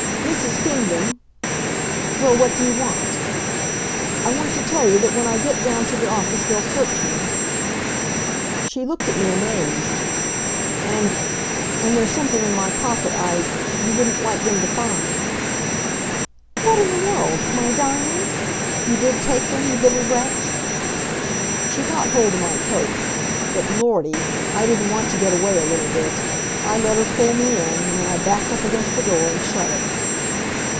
"Mrs. Kingdon " "Well, what do you want?" "I want to tell you that when I get down to the office they'll search me." She looked at me amazed. "And and there's something in my pocket I you wouldn't like them to find." "What in the world my diamonds! You did take them, you little wretch?" She caught hold of my coat. But Lordy! I didn't want to get away a little bit. I let her pull me in, and then I backed up against the door and shut it.